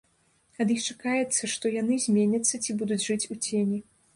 Ад іх чакаецца, што яны зменяцца ці будуць жыць у цені.